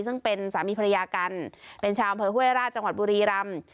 ซึ่งเป็นสามีภรรยากันเป็นชาวจังหวัดบุรีรำ